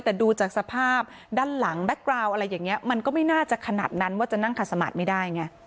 แต่ดูจากสภาพด้านหลังแบ็คกราวอะไรอย่างนี้มันก็ไม่น่าจะขนาดนั้นว่าจะนั่งขัดสมาธิไม่ได้ไง